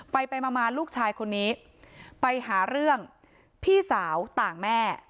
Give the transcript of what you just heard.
ไปไปมาลูกชายคนนี้ไปหาเรื่องพี่สาวต่างแม่